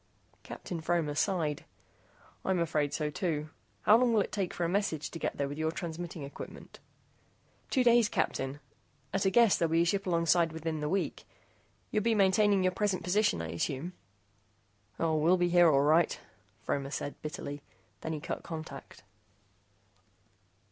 Captain Fromer sighed. "I'm afraid so, too. How long will it take for a message to get there with your transmitting equipment?" "Two days, Captain. At a guess, there'll be a ship alongside within the week. You'll be maintaining your present position, I assume?" "Oh, we'll be here, all right," Fromer said bitterly. Then he cut contact.